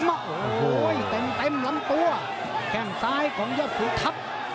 โอ้โหเต็มล้ำตัวแทงซ้ายของยศสุทัพ